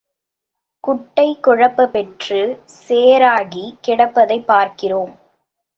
குட்டை குழப்பப் பெற்றுச் சேறாகிக் கிடப்பதைப் பார்க்கிறோம்.